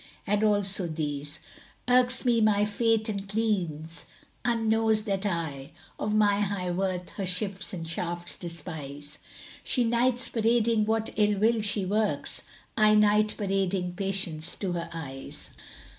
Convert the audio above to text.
And also these, "Irks me my Fate and clean unknows that I * Of my high worth her shifts and shafts despise. She nights parading what ill will she works: * I night parading Patience to her eyes."